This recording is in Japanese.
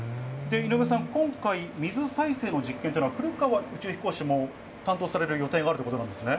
井上さん、今回、水再生の実験というのは、古川宇宙飛行士も担当される予定があるということなんですね？